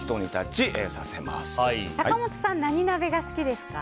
坂本さん、何鍋が好きですか？